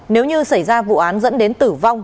nếu như xảy ra vụ án dẫn đến tử vong